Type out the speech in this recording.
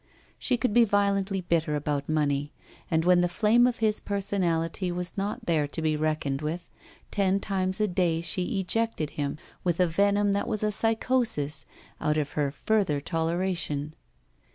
She could be violently bitter about money, and when the flame of his personality was not there to be reckoned with, ten times a day she ejected him, with a venom that was a psychosis, out of her fur ther toleration.